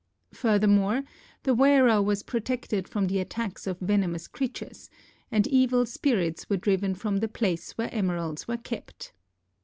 Furthermore, the wearer was protected from the attacks of venomous creatures, and evil spirits were driven from the place where emeralds were kept.